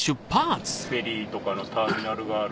フェリーとかのターミナルがある。